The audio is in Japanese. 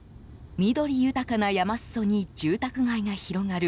緑豊かな山裾に住宅街が広がる